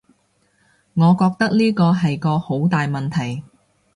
我覺得呢個係個好大問題